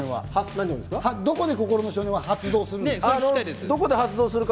どこで心の少年は発動するんですか？